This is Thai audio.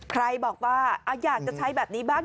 ใครบอกว่าอยากจะใช้แบบนี้บ้าง